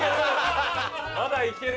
まだいける⁉